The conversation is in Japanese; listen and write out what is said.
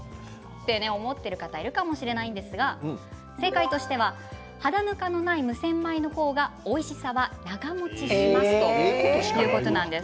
思っている方いるかもしれないですが正解としては肌ぬかのない無洗米の方がおいしさは長もちしますということなんです。